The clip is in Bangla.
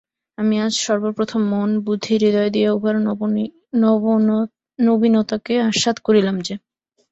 আমি আজ সর্বপ্রথম মন, বুদ্ধি, হৃদয় দিয়া উহার নবীনতাকে আস্বাদ করিলাম যে।